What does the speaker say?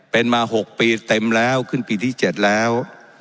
เป็นมา๖ปีเต็มแล้วขึ้นปีที่๗แล้ว